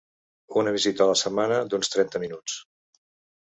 Una visita a la setmana d’uns trenta minuts.